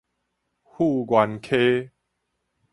富源溪